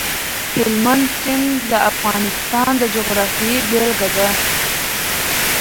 هلمند سیند د افغانستان د جغرافیې بېلګه ده.